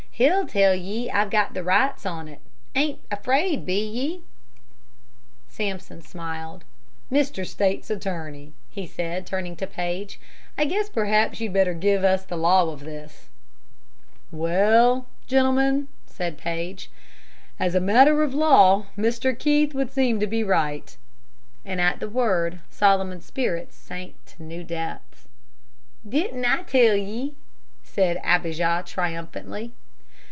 "He'll tell ye I've got the rights on 't. Ain't afraid, be ye?" Sampson smiled. "Mr. State's Attorney," he said, turning to Paige, "I guess perhaps you'd better give us the law of this." "Well, gentlemen," said Paige, "as a matter of law, Mr. Keith would seem to be right," and at the word Solomon's spirits sank to new depths. "Didn't I tell ye?" said Abijah, triumphantly.